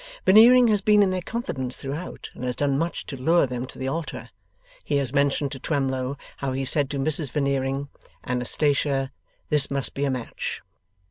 Veneering has been in their confidence throughout, and has done much to lure them to the altar. He has mentioned to Twemlow how he said to Mrs Veneering, 'Anastatia, this must be a match.